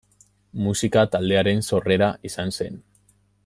Musika taldearen sorrera izan zen.